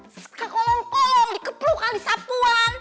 sekak kolong kolong dikeplu kali sapuan